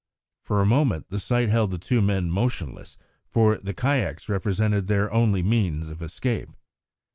For a moment the sight held the two men motionless, for the kayaks represented their only means of escape.